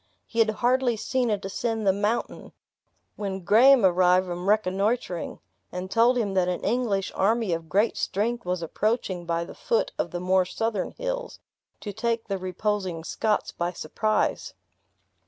He had hardly seen it ascend the mountain, when Graham arrived from reconnoitering, and told him that an English army of great strength was approaching by the foot of the more southern hills, to take the reposing Scots by surprise.